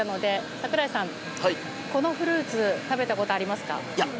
櫻井さん、このフルーツ食べたことありますか？